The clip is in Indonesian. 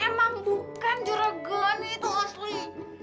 emang bukan jurogoni itu asli